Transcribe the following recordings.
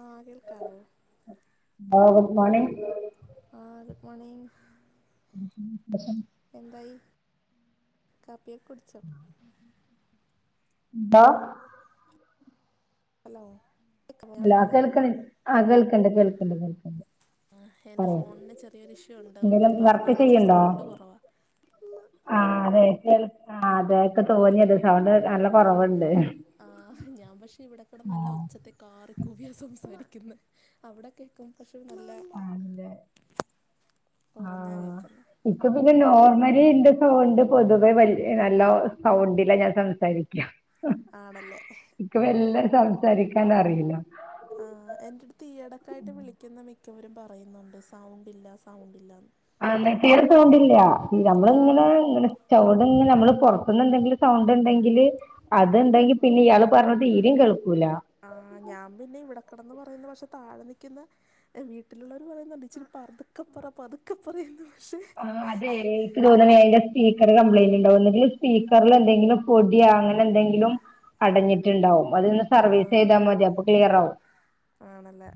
ആ കേൾക്കാവോ [unintelligible] good morning ആഹ് ഗുഡ്മോണിങ് [unintelligible] എന്തായി കാപ്പിയൊക്കെ കുടിച്ചൊ എന്താ ഹലോ കേൾക്കാമോ ഞാൻ ലാ പറഞ്ഞത് കേൾക്ക്ണി ആഹ് കേൾക്കെണ്ട് കേൾക്കെണ്ട് കേൾക്കെണ്ട് ആഹ് എൻ്റെ ഫോണിന് ചെറിയൊരു ഇഷ്യൂ ഉണ്ട് അതുകൊണ്ട് എന്തേലും പറഞ്ഞാല് ഇച്ചിരി സൗണ്ട് കുറവാ ആഹ് അതെ [unintelligible] ആഹ് അതെ എനിക്ക് തോന്നിയത് സൗണ്ട് നല്ല കൊറവെണ്ട് ആഹ് ഞാൻ പക്ഷെ ഇവിടെ കിടന്ന് നല്ല ഉച്ചത്തി കാറി കൂവിയാ സംസാരിക്കുന്നെ അവിടൊക്കെ [unintelligible] നല്ല ആണല്ലേ കൊറഞ്ഞാ കേക്കുന്നേ ഇപ്പ പിന്നെ നോർമലി ഇന്റെ സൗണ്ട് പൊതുവേ വൽ നല്ല സൗണ്ടിലാ ഞാൻ സംസാരിക്ക്യാ ആ ആണല്ലേ എനിക്ക് മെല്ലെ സംസാരിക്കാൻ അറിയില്ല ആഹ് എൻ്റെടുത്ത് ഈയെടെക്കായിട്ട് വിളിക്കുന്ന മിക്കവരും പറയുന്നുണ്ട് സൗണ്ടില്ല സൗണ്ടില്ലാന്ന് ആന്ന് തീരെ സൗണ്ടില്ല നമ്മള് ഇങ്ങനെ ആ ഇങ്ങനെ സൗണ്ടിങ്ങനെ നമ്മള് പുറത്തുന്ന് എന്തെങ്കിലും സൗണ്ട് ഇണ്ടെങ്കില് അതിണ്ടെങ്കി പിന്നെ ഇയാള് പറഞ്ഞ തീരേം കേൾക്കൂലാ ആഹ് ഞാൻ പിന്നെ ഇവിടെ കെടന്ന് പറയുന്ന പക്ഷെ താഴെ നിക്ക്ന്ന വീട്ടിലുള്ളവർ പറയുന്നുണ്ട് ഇച്ചിരി പതുക്കെപ്പറ പതുക്കെപ്പറയെന്ന് പക്ഷെ അതെ എനിക്ക് തോന്നണെ അതിൻ്റെ സ്പീക്കർ കംപ്ലയിന്റ് എണ്ടാവുന്ന് [unintelligible] സ്പീക്കറിൽ എന്തെങ്കിലും പൊടിയാ അങ്ങനെ എന്തെങ്കിലും അടഞ്ഞിട്ടിണ്ടാവും അതൊന്ന് ആ സർവീസ് ചെയ്താ മതി അപ്പ ക്ലിയറാവും ആണല്ലേ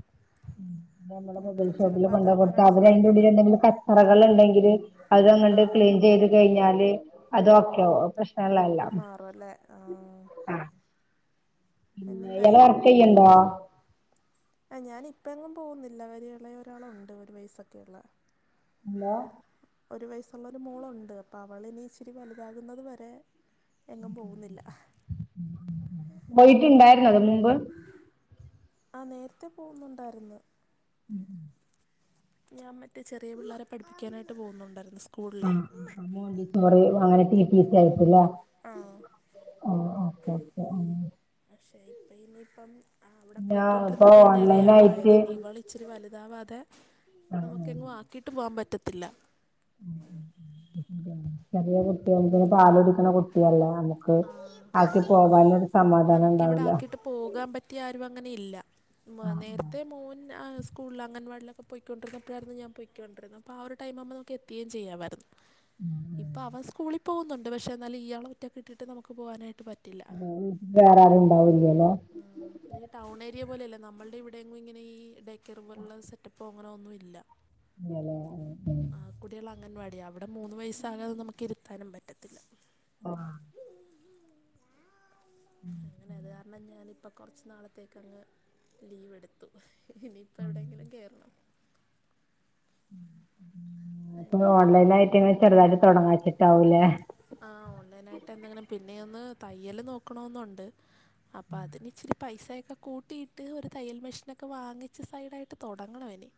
ഉം നമ്മള് മൊബൈൽ അപ്പോൾ ഷോപ്പില് ചിലപ്പോൾ കൊണ്ടെ കൊടുത്ത അതാവാനാണ് അവര് അതിൻ്റെ സാധ്യത ഉള്ളില് എന്തെങ്കിലും ക റകൾ എണ്ടെങ്കില് ആ അതങ്ങട് ക്ലീൻ ചെയ്ത് കഴിഞ്ഞാല് അതോക്കെയാവും അപ്പ പ്ര മാറുവല്ലേ ആഹ് ആഹ് പിന്നെ ഇയാള് വർക്കെയ്യിണ്ടോ ആഹ് ഞാനിപ്പ എങ്ങും പോകുന്നില്ല ഒരു ഇളയ ഒരാളുണ്ട് ഒരു വയസൊക്കെ ഇള്ള ഹലോ ഒരു വയസ്സുള്ളൊരു മോളുണ്ട് അപ്പൊ അവള് ഇനി ഇച്ചിരി വലുതാകുന്നത് വരെ എങ്ങും പോകുന്നില്ല വൈകിട്ടിണ്ടായിരുന്നത് മുമ്പ് ആഹ് നേരത്തെ പോകുന്നുണ്ടായിരുന്ന് ഉം ഉം ഞാൻ മറ്റേ ചെറിയ പിള്ളേരെ പഠിപ്പിക്കാനായിട്ട് പോകുന്നുണ്ടായിരുന്നു ആ സ്കൂളിലേ മോണ്ടിസോറി അങ്ങനെ ടി ടി സി ആയിട്ടില്ലേ ആഹ് ആഹ് ആഹ് അഹ് ആഹ് പക്ഷെ ഇപ്പ ഇനിയിപ്പം ആഹ് അവിടെ ഞാൻ ഇപ്പൊ പോയ്ക്കൊണ്ടിരുന്നപ്പഴാണ് ഓൺലൈൻ ഇളേയാളായത് ആയിട്ട് ഇനി ഇവള് ഇച്ചിരി വലുതാവാതെ നമുക്കെങ്ങും ആക്കിയിട്ട് പോകാൻ പറ്റത്തില്ല [inaudible] [inaudible] പാലുടിക്കുന്ന കുട്ടിയല്ലേ നമുക്ക് ആക്കി പോകാനൊരു അത് സമാധാനം നമുക്കിവിടെ എണ്ടാവൂല ആക്കിയിട്ട് പോകാൻ പറ്റിയ ആരും അങ്ങനെ ഇല്ല ആ ആ നേരത്തെ മോൻ ഞാൻ സ്കൂളിൽ അംഗൻവാടിലൊക്കെ പൊയി കോണ്ടിര്ന്നപ്പഴായിരുന്ന് ഞാൻ പൊയികോണ്ടിരുന്നത് അപ്പ ആ ഒരു ടൈം ആകുമ്പം നമുക്ക് എത്തുകയും ചെയ്യാമായിരുന്നു ഉം ഇപ്പൊ അവൻ സ്കൂളി പോവുന്നുണ്ട് പക്ഷെ എന്നാലും ഇയാളെ ഒറ്റക്ക് ഇട്ടിട്ട് നമുക്ക് പോകാനായിട്ട് പറ്റ് ആഹ് വീട്ടില് വേറെ ആരും ഇണ്ടാവൂല്ലല്ലോ ആഹ് പിന്നെ ഈ ടൗൺ ഏരിയ പോലെയല്ല നമ്മൾടെ ഇവിടെയെങ്ങും ഇങ്ങനെ ഈ ഡേ കെയറ് പോലുള്ള സെറ്റപ്പോ അങ്ങനെ ഒന്നും ഇല്ല ഇല്ല ലേ ആഹ് ആഹ് ആഹ് കുട്ടികള് അംഗൻവാടി അവിടെ മൂന്ന് വയസ്സാകാതെ നമുക്ക് ഇരുത്താനും പറ്റത്തില്ല ആഹ് അങ്ങനെ അത് കാരണം ഞാനിപ്പം കൊറച്ച് നാളത്തേക്ക് അങ്ങ് ലീവ് എട് ത്തും ഇനിയിപ്പോ എവിടെയെങ്കിലും കേറണം ആഹ് ഇപ്പ അങ്ങനെ ഓൺലൈൻ ആയിട്ട് ഇങ്ങനെ ചെറുതായിട്ട് തൊടങ്ങാ വെച്ചിട്ടാവൂലേ ആഹ് ഓൺലൈനായിട്ട് എന്തെങ്കിലും പിന്നെ ഒന്ന് തയ്യല് നോക്കണോന്നുണ്ട് അപ്പൊ അതിന് ഇച്ചിരി പൈസയാക്കെ കൂട്ടിയിട്ട് ഒരു തയ്യൽ മെഷീനൊക്കെ വാങ്ങിച്ച് സൈഡായിട്ട് തൊടങ്ങണം എനി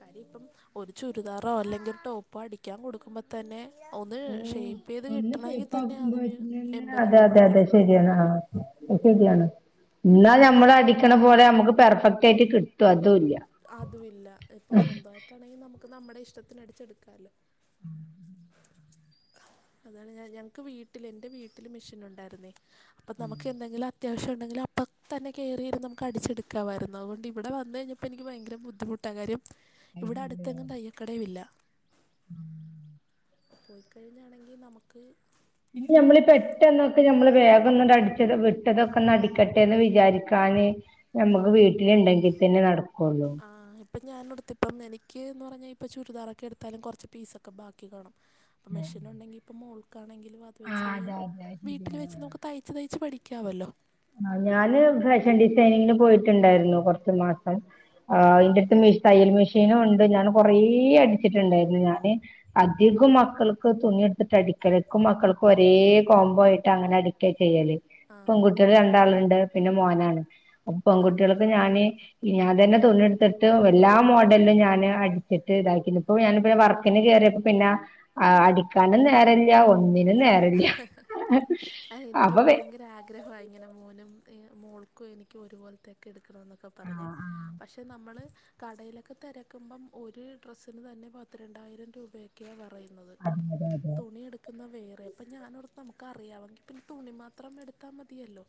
കാര്യം ഇപ്പം ഒരു ചുരിദാറോ അല്ലെങ്കിൽ ഒരു ടോപ്പോ അടിക്കാൻ കൊടുക്കുമ്പം തന്നെ ഒന്ന് ഓ ഷേപ്പ് ചെയ്ത് ഒന്ന് കിട്ടണെങ്കി തന്നെ അതിന് ഷേപ്പാക്കുമ്പോഴത്തിന് തന്നെ എൺപത് അതെ രൂപ അതെ അതെ കൊടുക്കണം ശരിയാണ് ആ അത് ശരിയാണ് അപ്പം ഇന്നാ ഞാൻ ഞമ്മള് നോക്കിയിട്ട് ഇപ്പം അടിക്കണ പോലെ അമ്മക്ക് പെർഫെക്റ്റ് ആയിട്ട് കിട്ടോ അതൂല്ല അതു ഇല്ല ഇപ്പൊ സ്വന്തവായിട്ടാണെങ്കി നമുക്ക് നമ്മടെ ഇഷ്ട്ടത്തിന് അടിച്ചെടുക്കാല്ലോ അതാണ് ഞാൻ ഞങ്ങക്ക് വീട്ടില് എൻ്റെ വീട്ടില് മെഷീൻ ഒണ്ടായിരുന്നേ അപ്പൊ നമ്മക്ക് എന്തെങ്കിലത് ത്യാവശ്യണ്ടെങ്കില് അപ്പത്തന്നെ കേറിയിരുന്ന് നമ്മക്ക് അടിച്ചെടുക്കാവായിരുന്നു അവോണ്ട് ഇവിടെ വന്ന് കഴിഞ്ഞപ്പ് പ്പ എനിക്ക് വയങ്കര ബുദ്ധിമുട്ടാ കാര്യം ഇവിടെ അടുത്തെങ്ങും തയ്യക്കടയു ഇല്ല പോയിക്കഴിഞ്ഞാണെങ്കി നമക്ക് പിന്നെ ഞമ്മളി പെട്ടെന്നൊക്കെ ഞമ്മള് വേഗൊന്നടിച്ചത് ഇട്ടതൊക്കെ ഒന്ന് അടിക്കട്ടെന്ന് വിചാരിക്കാന് ഞമ്മക്ക് വീട്ടില്ണ്ടെങ്കി തെന്നെ നടക്കൊള്ളൂ ആഹ് ഇപ്പ ഞാൻ [unintelligible] എനിക്ക്ന്ന് പറഞ്ഞാ ഇപ്പൊ ചുരിദാറൊക്കെ എടുത്താലും കൊറച്ച് പീസൊക്കെ ബാക്കി കാണും ഇപ്പ മെഷീനൊണ്ടെങ്കി ഇപ്പോ മോൾക്കാണെങ്കിലു അത് ആ വെച്ച് അതെ അതെ അത് വീട്ടില് വെച്ച് ശരിയാണ് നമുക്ക് തൈ തൈച്ച് തൈച്ച് പഠിക്കാവല്ലോ ആഹ് ഞാന് ഫാഷൻ ഡിസൈനിങ്ങിന് പോയിട്ടുണ്ടായിരുന്നു കൊർച്ച് മാസം ആഹ് ആ ഇൻ്റട്ത്ത് മിഷ് തയ്യൽ മെഷീനു ഉണ്ട് ഞാൻ കൊറേ അടിച്ചിട്ടുണ്ടായിരുന്നു ഞാന് അധികോം മക്കൾക്ക് തുണി എടുത്തിട്ട് അടിക്കലാ ഇക്കും മക്കൾക്കു ഒരേ കോംബോ ആയിട്ട് അങ്ങനെ അടിക്കലാ ചെയ്യല് ആ പെൺകുട്ടിയേള് രണ്ടാള്ണ്ട് പിന്നെ മോനാണ് അപ്പൊ ആ പെങ്കുട്ടിയോളത് ഞാന് ഈ ഞാൻ തന്നെ തുണിയെത്ത്ട്ട് എല്ലാ മോഡലിലും ഞാന് അടിച്ചിട്ട് ഇതാക്കീന്നു ഇപ്പൊ ഞാൻ ഇപ്പൊ ഞാൻ വർക്കിന് കേറിയപ്പം പിന്നാ ആഹ് അടിക്കാനും നേരല്ല ഒന്നിനും നേര ആഹ് എനിക്കും വെ ഭയങ്കര ആഗ്ര ഗ്രഹവാ ഇങ്ങനെ മോനും ഏഹ് മോൾക്കും എനിക്കു ഒരുപോൽ ത്തൊക്കെ എടുക്കണോന്നൊക്കെ ആ പറഞ്ഞ് ആ പക്ഷെ നമ്മള് കടേലൊക്കെ തെരക്കുമ്പം ഒരു ഡ്രസ്സിന് തന്നെ പത്ത് രണ്ടായിരം രൂപേ ക്കെയാ പറയുന്നത് അതെ അതെ അതെ തുണിയെടുക്കുന്ന വേറെ അപ്പം ഞാനോർത്ത് നമുക്ക് അറിയാവെങ്കി പിന്നെ തുണി മാത്രം എടുത്താ മതിയല്ലോ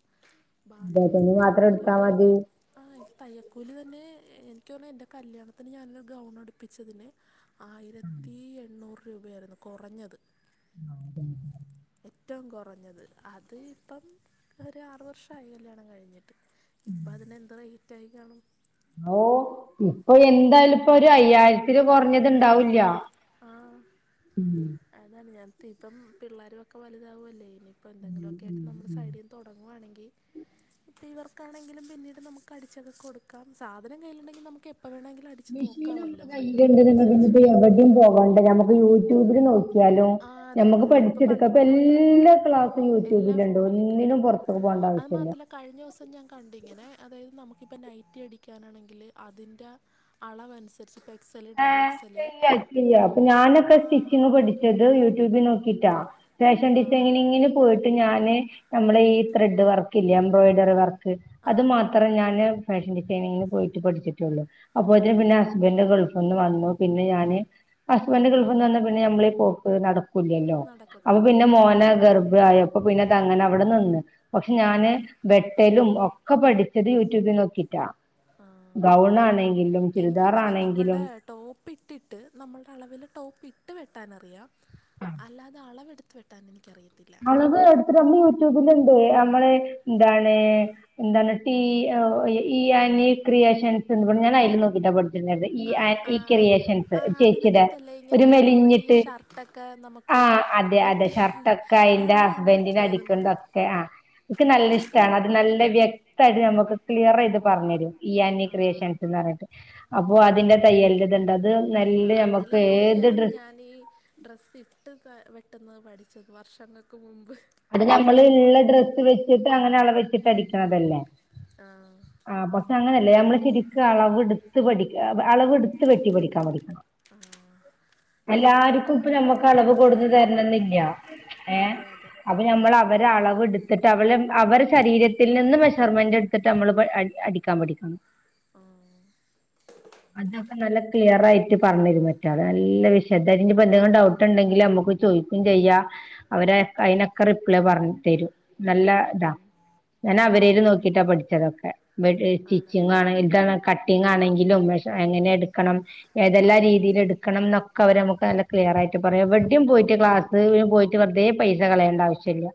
അതെ ബാക്കി തുണി നമ്മക്ക് മാത്രം എടുത്താ എന്തെങ്കിലൊക്കെ മതി ആഹ് ഈ തയ്യക്കൂലി തെന്നെ എ എനിക്ക് തോന്നണു എന്റെ കല്യാണത്തിന് ഞാനൊരു ഗൗൺ അടുപ്പിച്ചതിന് ആ, ആയിരത്തി എണ്ണൂറ് രൂപയായിരുന്നു കൊറഞ്ഞത് ആ, അതെ, അതെ. ഏറ്റോം കൊറഞ്ഞത് അത് ഇപ്പം ഒരു ആറ് വർഷായി കല്ല്യാണം കഴിഞ്ഞിട്ട് ഇപ്പതിന് എന്ത് റേറ്റ് ആയി കാണും ഓഹ് ഇപ്പൊ എന്തായാലും ഇപ്പോ ഒരു അയ്യായിരത്തില് കൊറഞ്ഞത്ണ്ടാവൂല്ല ആഹ് അതാണ് ഞാൻ [unintelligible] ഇപ്പം പിള്ളേരു ഒക്കെ വലുതാവു അല്ലേ ഇനിപ്പ് പ്പെന്തെങ്കിലൊക്കേയിട്ട് നമ്മള് സൈഡീൻ തൊടങ്ങുവാണെങ്കി ഇപ്പ ഈ വർക്കാണെങ്കിലും പിന്നീട് നമുക്ക് അടിച്ചൊക്ക കൊടുക്കാം സാധനം കയ്യില്ണ്ടെങ്കി നമുക്ക് എപ്പ വേണെങ്കിലു അട് മിഷീന് അമ്മളെ കൈയ്യില് ന്ന് ണ്ടെങ്കി ഞിപ്പോ യെവടിം പോവണ്ട ഞമ്മക്ക് യൂട്യൂബില് നോക്ക് യാലോ ആ അതെ ഞമ്മക്ക് ഇപ്പൊ പഠിച്ച്ട്ക്ക പണ്ടത്തെ പോലെയല്ല പ്പെല്ലാ ക്ലാസ്സു എല്ലാ യൂട്യൂബില്ണ്ട് ഫോണില് കിട്ടും ഒന്നിനും പൊർ അപ്പൊ പോണ്ടാവ്ശ് അത് മാത്രല്ല കഴിഞ്ഞോസം ഞാൻ കണ്ടിങ്ങനെ അതായത് നമുക്കിപ്പം നൈറ്റി അടിക്കാനാണെങ്കില് അതിൻ്റെ അളവൻസരിച്ച് പെ ഏ [unintelligible] പ്പൊ ഞാനൊക്കെ ആ സ്റ്റിച്ചിങ്ങ് പഠി ച്ചെത് യൂട്യൂബി നോക്കിറ്റാ ഫാഷൻ ആ ഡിസൈനിങ്ങിന് പോയി ഞാന് നമ്മള ഈ ത്രെഡ് വർക്കില്ലെ എംബ്രോയിഡറി വർക്ക് ആ അത് ആ മാത്രം ഞാന് ഫാഷൻ ഡിസൈനിങ്ങിന് പോയിറ്റ് പഠിച്ചിട്ടൊള്ളു ആ അപ്പോത്തിന് പിന്നെ ഹസ്ബൻ്റ് ഗൾഫ് ഉന്ന് വന്നു പിന്നെ ഞാന് ഹസ്ബൻ്റ് ഗൾഫിന്ന് വന്ന പിന്നെ ഞമ്മള ഈ പോക്ക് നട ക്കൂലല്ലോ അപ്പൊ പിന്നെ മോനെ ഗർഭായി അപ്പൊ പിന്നെ തങ്ങനെ അവിടെ നിന്ന് പക്ഷെ ആ ഞാന് വെട്ടലും ഒക്ക പഠിച്ചത് യൂട്യൂബിൽ നോക്കിട്ടാ. ആ ഗൗൺ ആണെങ്കിലും ചുരിദാർ എനിക്കിങ്ങനെ ആണെങ്കിലും നമ്മളുടെ ടോപ്പ് ഇട്ടിട്ട് നമ്മളുടെ അളവില് ടോപ്പ് ഇട്ട് വെട്ടാനറിയാം അല്ലാതെ അളവെടു വേട്ടാനിനിക്കറിയത്തില്ല. മൊളക് എത്ര യൂട്യൂബിലുണ്ട് നമ്മള് എന്താണ് എന്താണ് ടീ ഇ ആനി ക്രിയേഷൻസ് എഹ് ഞാൻ അതിൽ നോക്കിട്ടാ പ ക്ക്ന്നത് ഈ ആഹ് ക്രിയേഷൻസ് ആഹ് ചേച്ചിടെ അതിനകത്തല്ലേ ഇങ്ങനെ ഒരു ഈ കൊറേ ഈ മെലിഞ്ഞിട്ട്. ഷർട്ടൊക്കെ നമുക്ക് ആഹ് അതെ അതെ വെട്ടി ഷർട്ടൊക്ക അയിന്റെ അത് ഞാൻ ഹസ്ബൻറിന് നോക്കിയായിരുന്നു അടിക്കണ്ട ഓക്കെ ആഹ് ഇൻക്ക് നല്ല ഇഷ്ടാണ് അത് നല്ല വ്യക്തായിട്ട് നമ്മുക്ക് ക്ലിയർ ചെയ്ത് പറഞ്ഞു തരും. ഇ ആനി ആഹ് ക്രിയേഷൻസ്ന്നർഞ്ട്ട്. അപ്പൊ അതിന്റെ തയ്യൽന്റെതുണ്ട് അത് നല്ല ആഹ് അതില് മക്ക് ഏത് നോക്കിയായിരുന്നു ഡ്ര ഞാനീ ഡ്രസ്സ് ഇട്ട് വെട്ടന്നെ പഠിച്ച്ക്ക് വർഷങ്ങൾക്ക് മുമ്പ് അത് നമ്മൾ വീട്ടി ള്ള വെച്ച് ഡ്രസ്സ് വെച്ചിട്ട് അങ്ങനെ അളവെച്ചിട്ട് അടിക്കണതല്ലേ? ആഹ് ആഹ് പക്ഷെ അങ്ങനെയല്ലേ ഞമ്മള് ശെരിക്കും അളവ്ടുത്ത് പഠി അളവെടുത്ത് വെട്ടി പഠിക്കാൻ പഠിക്കണം. ആഹ് അളവെടുത്ത് എല്ലാർക്കും ഇപ്പൊ വെട്ടിപ്പഠിക്ക്ന്നാണ് നമ്മക്ക് അളവ് നല്ലത് കൊടുന്ന് കാര്യം അതെ അതെ അവ നമ്മള് അവരെ അളവ് എടുത്തിട്ട് അവള് അവരെ ശരീരത്തിൽ നിന്ന് മെഷർമെന്റ് എടുത്തിട്ട് നമ്മള് അടി ക്കാ പഠിക്കണം ആഹ് അതൊക്കെ നല്ല ക്ലിയർ ആയിട്ട് പറഞ്ഞു തരും മറ്റേത് നല്ല വിഷദ നിപ്പോ എന്തേലും ഡൗട്ട് ഉണ്ടെങ്കിൽ നമുക്ക് ചോദിക്കും ചെയ്യാം അവരെ കയിന റിപ്ലേ പറഞ്ഞു തരും നല്ല ഉം ഇതാ ഞാന അവരേൽ നോക്കിട്ടാ പഠിച്ചതൊക്കെ ആണല്ലേ സ്റ്റിച്ചിങ്ങാണ് എന്താണ് ക ആണെങ്കിലും എങ്ങനെ എടുക്കണം ഏതെല്ലാ രീതിയിലെടുക്കണം ന്നൊക്കെ അവരെ നമു ക്ലിയർ ആയിട്ട് പറയാം എവിടെയും ആഹ് പോയിട്ട് ക്ലാസ് പോയിട്ട് വെറുതെ പൈസ കളയേണ്ട ആവശ്യമില്ല.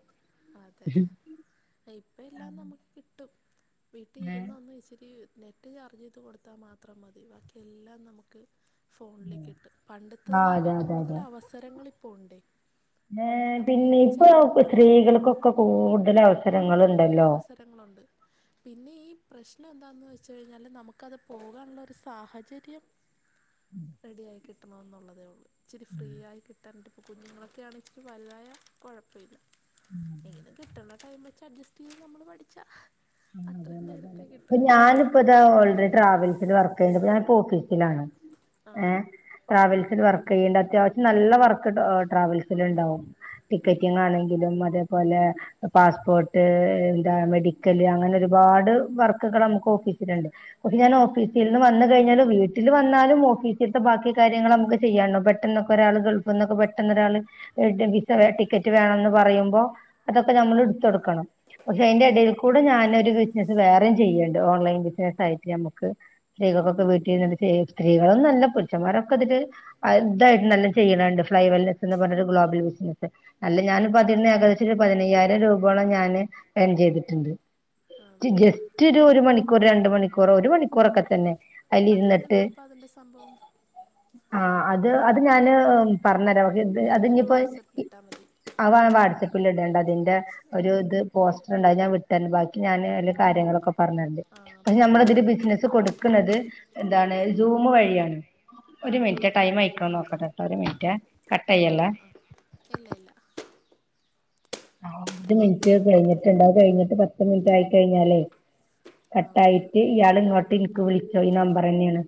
അതെ ഇപ്പം എല്ലാം നമുക്ക് കിട്ടും വീട്ടിൽ ഇരുന്ന ഒന്ന് ഇച്ചിരി നെറ്റ് ചാർജ് ചെയ്ത് കൊടുത്താൽ മാത്രം മതി ബാക്കിഎല്ലാം നമുക്ക് ഫോണിലേക്ക് എത്തും ആഹ് അതെ പണ്ടത്തതിനേക്കാൾ അതെ കൂടുതൽ അതെ അവസരങ്ങള് ഇപ്പോണ്ടെ പിന്നെ ഇപ്പൊ സ്ത്രീകൾക്കൊക്കെ കൂടുതൽ അവസരങ്ങളുണ്ടല്ലോ ങ്ങള്ണ്ട് പിന്നെ ഈ പ്രശ്നം എന്താന്ന് വെച്ച് കഴിഞ്ഞാൽ നമുക്കത് പോകാനുള്ള ഒരു സാഹചര്യം [inaudible] റെഡിയ ആയി കിട്ടണം എന്നുള്ളതേ ഉള്ളൂ ഇിച്ചിരി ഫ്രീ ആയി കിട്ടാനിട്ട് കുഞ്ഞുങ്ങളൊക്കെ ആണെച്ചിട്ട് വല്തായ കൊഴപ്പല്ല. [inaudible] അങ്ങനെ കിട്ടുന്ന ടൈം വെച്ച് അഡ്ജസ്റ്റ് ചെയ്ത നമ്മള് പഠിച്ച ഉം അതെന്നെ അതെ ഈ ഞാൻ ഇപ്പതാ ഓൾറെഡി ട്രാവൽസിൽ വർക്ക് ചെയ്യ ഞാൻപ്പോ ഓഫീസിലാണ് ആഹ് ഏഹ് ട്രാവൽസിൽ വർക്ക് ചെയ്യേണ്ട അത്യാവശ്യം നല്ല വർക്ക് ട്രാവൽസിൽ ണ്ടാവും ഉം ടിക്കറ്റിനാണെങ്കി ങ്കിലും അതേപോലെ പാസ്സ്പ്പോട്ട് ന്താ മെഡി ല് അങ്ങനെ ഒരുപാട് വർക്കൊക്കെ നമുക്ക് ഓഫീസിലുണ്ട് പക്ഷെ ഞാൻ ഓഫീസി ഇന്ന് വന്ന് കഴിഞ്ഞാലും വീട്ടില് വന്നാലും ഓഫീസിൽത്തെ ബാക്കി കാര്യങ്ങൾ നമുക്ക് ചെയ്യാണ്ടാവും പെട്ടെന്ന ഒരാൾ ഗൾഫിൽന്നൊക്കെ പെട്ടെന്ന് ഒരാൾ വിസ ടിക്കറ്റ് വേണന്ന് പറയുമ്പോ അതൊക്കെ നമ്മൾ എടുത്ത് കൊടുക്കണം പക്ഷെ അതിന്റെ എടേൽ ആഹ് ഇവടെ ഞാനൊരു ബിസിനസ്സ് വേറെയും ചെയ്യ്ണ്ട് ഓൺലൈൻ ബിസിനായിട്ട് നമുക്ക്. സ്ത്രീകൾക്കൊക്കെ ആഹ് വീട്ടിൽ ഇരുന്നിട്ട് സ്ത്രീകള്ന്നല്ല പുരുഷന്മാരൊക്കെ ഇതില് ഇതായിട്ട് നല്ല ചെയ്യണണ്ട് ഫ്ലൈവെൽനെസ് എന്ന് പറഞ്ഞട്ട് ഗ്ലോബൽ ബിസിനസ്. അല്ല ആഹ് ഞാൻപ്പതീൽന്ന് ഏകദേശം ഒരു പതിനയ്യായിരം രൂപോളം ഞാന് ഏൺ ചെയ്തിട്ടുണ്ട്. ജ് ആണല്ലേ ജസ്റ്റ് ഒരു ഒരു മണിക്കൂർ രണ്ട് മണിക്കൂർ, ക്കൊ ഒരു മണിക്കൂറൊക്കെ തന്നെ അതില് അതെങ്ങനാ ഇരുന്നിട്ട്, അപ്പം അതിൻ്റെ സംഭവം ആഹ് അത് അത് ഞാന് പർഞ്ഞെരാ അത് എനിക്കൊന്ന് ഇനിപ്പോ വാട്സപ്പിൽ ഇട്ടാൽ മതി അവാകം വാട്സ്ആപ്പിൽ ഇടേണ്ട അതിന്റെ ഒരു ഇത് പോസ്റ്റർ ഉണ്ട് അത് ഞാൻ വി ന്നെ ബാക്കി ഞാന് എല്ലാ കാര്യങ്ങളൊക്കെ പറഞ്ഞടര്ണ്ട് ആഹ് പക്ഷെ പറഞ്ഞു നമ്മളതില് തന്നാൽ മതി ബിസിനസ്സ് കൊടു ക്കുന്നത് എന്താണ് സൂമ് വഴിയാണ്. ഒരു ആഹ് മിനിറ്റ് ആഹ് ടൈം ആയിക്ക്‌ണോ നോക്കട്ടെട്ടോ ഒരു മിനിറ്റ് ആഹ് കട്ട്യ്യേല്ലേ ആഹ് ഇല്ല ഇല്ല ഒരു മിനിറ്റ് കഴിഞ്ഞിട്ടുണ്ട് അഹ് കഴിഞ്ഞിട്ട് പത്ത് മിനിറ്റ് ആയി കഴിഞ്ഞാലേ കട്ട് ആഹ് ആയിട്ട് ഇയാൾ ഇങ്ങോട്ട് ഇൻക്ക് വിളിച്ചോ ഈ നമ്പർ തന്നെയാണ്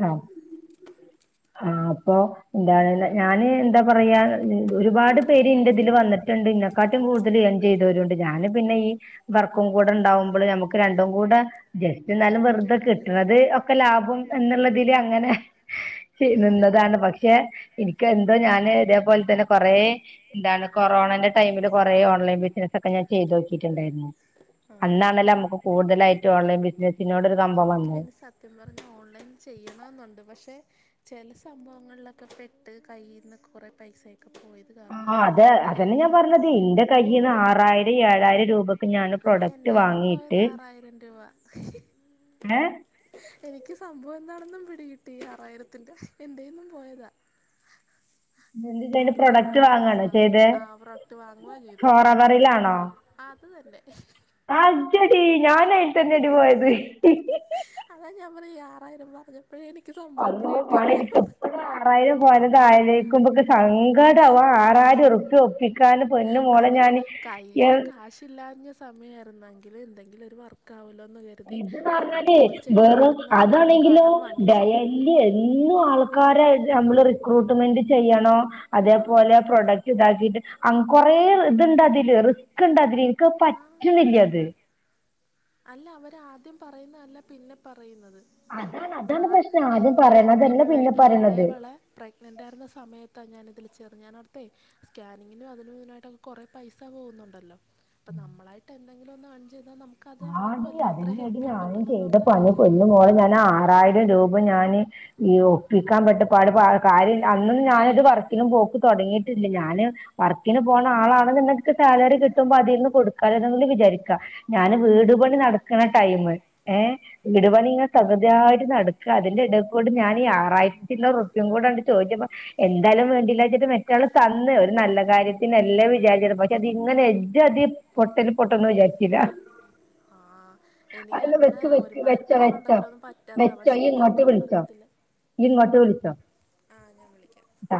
ട്ടോ ആഹ് അപ്പൊ എന്താണ് ഞാന് എന്താ പറയാ ഒരുപാട് പേര് ഇന്റെ ഇതിൽ വന്നിട്ട് വന്നിട്ട്ണ്ട് എന്നെക്കാട്ടിം കൂടുതൽ ഏൺ ചെയ്തവരുണ്ട് ഞാന് പിന്നെ ഈ വർക്കും കൂടെ ഉണ്ടാവുമ്പോൾ നമുക്ക് രണ്ടും കൂടെ ജസ്റ്റ് എന്നാലും വെറു ആഹ് കിട്ടുന്നത് പറ്റത്തില്ല ഒക്കെ ലാഭം എന്നുള്ളതിൽ അങ്ങനെ നിന്നതാണ് പക് പക്ഷെ എനിക്ക് എന്തോ ഞാന് ഇതേപോലെ തന്നെ കൊറേ എന്താണ് കൊ കൊറോണന്റെ ടൈമില് കൊറേ ഓൺലൈൻ ബിസിനസ് ഒക്കെ ഞാൻ ചെയ്ത് നോക്കിട്ടുണ്ടായിരുന്നു ആഹ് അന്നാണല്ലോ ഞ കൂടുതലായിട്ട് ഓൺലൈൻ ബിസിനസിനോടൊരു എനിക്ക് പിന്നെ സത്യം പറഞ്ഞാ ഓൺലൈൻ ചെയ്യണമെന്നുണ്ട് പക്ഷേ ചെല സംഭവങ്ങളിലൊക്കെ പെട്ട് കൈയിൽന്ന് കൊറെ പൈസ ഒക്കെ പോയത് കാരണം ആഹ് അത് ഉള്ളിലൊരു അതന്നെ ഞാൻ പേടിയാ പറഞ്ഞത് ഇന്റെ കയ്യിൽ നിന്ന് ആറായിരം ഏഴായിരം രൂപക്ക് ഞാൻ പ്രൊഡക്റ്റ് എന്റെന്നും പോയത് വാങ്ങിയിട്ട് ആറായിരം രൂപ ഏഹ് എനിക്ക് സംഭവം എന്താണെന്നും പിടികിട്ടി ആറായിരത്തിന്റെ എന്റേന്നും പോയതാ എന്തിന്റെ ആറായിരം പ്രൊഡക്റ്റ് രൂപയുടെ വാങ്ങാണോ സാധനം ചെയ്തേ ആഹ് പ്രൊഡക്ട് വാങ്ങുവേ ചെയ്തത് ഫോറവറിലാണോ അത് തന്നെ അജ്ജടി ഞാൻ അയിൽ തന്നേടി പോയത് അതാ ഞാൻ പറഞ്ഞെ ആറായിരം പറഞ്ഞപ്പഴേ എനിക്ക് സംഭവം അള്ളോ മോളെ പിടികിട്ടീന്ന് എനിക്ക് ആറായിരം പോയതാലോയ്ക്കുമ്പോ ഇക്ക് സങ്കടാവാ ആറായിരം ഉറുപ്യ ഒപ്പിക്കാൻ അത് കയ്യിൽ കാശില്ലാഞ്ഞ സമയമായിരുന്നെങ്കിൽ എന്തെങ്കിലും ഒരു വർ ക്കാവലോന്ന് കരുതി ഇത്ന്ന് അവിടെ പറഞ്ഞാല് ഒരു ചേട്ടൻ്റെ അടുത്ത് നിന്ന് ആറായിരം രൂപ കടം വാങ്ങിച്ച് ഇല്ല എന്നും ആൾക്കാരെ നമ്മള് റിക്രൂട്ട്മെന്റ് ചെയ്യണോ ആ അതേപോലെ പ്രൊഡക്റ്റ് ഇതാക്കിട്ട് കൊറെ ഇത്ണ്ട് അതില് റിസ്ക് ഇണ്ട് അതില് ഇൻക് അത് ആ പറ്റ് റ്റുന്നില്ല അത് അല്ല അവര് ആദ്യം പറയുന്നതല്ല പിന്നെ പറയുന്നത് അതാണ് അതാണ് ഞാൻ പ്രശ്നം ആദ്യം എനിക്ക് പറയണതല്ല ഇവളെ പിന്നെ ഈ പറയണത് എളയവളെ പ്രെഗ്നൻറ് ആയിരുന്ന സമയത്താ ഞാനിതിൽ ചേർന്നേ ഞാൻ ഓർത്തെ സ്കാനിങ്ങിനും അതിനും ഇതിനും ആയിട്ട് കുറേ പൈസ പോകുന്നുണ്ടല്ലോ അപ്പം നമ്മളായിട്ട് എന്തെങ്കിലും ഒന്ന് ഏൺ ചെയ്താൽ നമുക്ക് ആടി അതിന്നെടി ഞാനും ചെയ്ത എന്നോർത്താണ് ഞാൻ പണി ചെന്നത് പൊന്ന് മോളേ ഞാൻ ആറായിരം രൂപ ഞാന് ഈ ഒപ്പിക്കാൻ പെട്ട പാട് കാര്യം അന്നന്നും ഞാനൊരു വർക്കിനും പോക്ക് തുടങ്ങിയിട്ടില്ല ഞാന് വർക്കിന് പോണ ആളാണെന്നുണ്ടെങ്കിൽ നിങ്ങക്ക് സാലറി കിട്ടുമ്പോ അതിൽന്ന് കൊടുക്കാന്നെങ്കിലും വിചാരിക്കാ ഞാന് ആ വീടുപണി നടക്കണ ടൈം ഏഹ വീടുപണി ഇങ്ങ തകൃതിയായിട്ട് നടക്കാ അതിന്റെ ഇടക്കൂടെ ഞാൻ ആറായിരത്തിന്റെ ഉർപ്യകൂടെ ചോദിച്ചപ്പം എന്തായാലും വേണ്ടില്ല വെച്ചിട്ട് മറ്റാള് തന്ന് ഒരു നല്ല കാര്യത്തിനല്ലേ വിചാരിചിട്ട് പക്ഷെ ഇത് ഇങ്ങനെ ഇജ്ജാതി പൊട്ടല് പൊട്ടൊന്നും വിചാരിച്ചില്ല ആഹ അ വെക്ക് വെക്ക് വെച്ചോ വെച്ചോ പറ്റാത്തതാ വെച്ചോ പക്ഷെ ഇയ്യ് ഇങ്ങോട്ട് വിളിച്ചോ ഇയ്യ് ഇങ്ങോട്ട് വിളിച്ചോ? ആഹ ഞാൻ വിളിക്കാം ട്ടാ